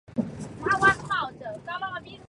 第十二届全国人民代表大会辽宁地区代表。